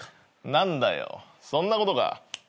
何だよそんなことか。